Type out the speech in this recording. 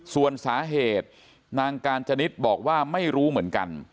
ส่วนสาเหตุนางกาญจนิดบอกว่าไม่รู้เหมือนกัน